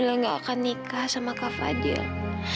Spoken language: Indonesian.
kerjaanmu hari ini biarsi ini saja dalam keadaan yang baik